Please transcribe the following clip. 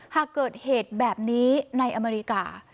หากเกิดเหตุแบบนี้ในอเมริกา